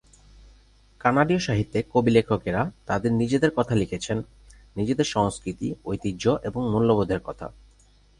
কানাডীয় সাহিত্যে কবি-লেখকেরা তাঁদের নিজেদের কথা লিখেছেন, নিজেদের সংস্কৃতি, ঐতিহ্য এবং মূল্যবোধের কথা।